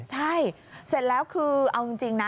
ใช่เสร็จแล้วคือเอาจริงนะ